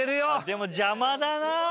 でも邪魔だな。